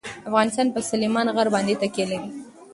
افغانستان په سلیمان غر باندې تکیه لري.